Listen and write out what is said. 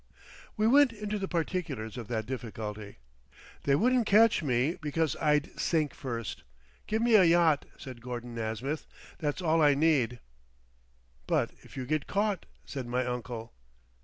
We went into the particulars of that difficulty. "They wouldn't catch me, because I'd sink first. Give me a yacht," said Gordon Nasmyth; "that's all I need." "But if you get caught," said my uncle.